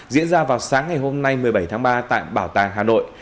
diễn ra vào sáng ngày hôm nay một mươi bảy tháng ba tại bảo tàng hà nội